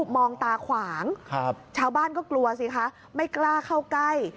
มองตาขวางชาวบ้านก็กลัวสิคะไม่กล้าเข้าใกล้